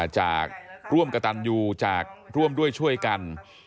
จากร่วมกระตันยูจากร่วมด้วยช่วยกัน